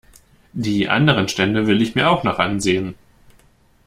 Die anderen Stände will ich mir auch noch ansehen.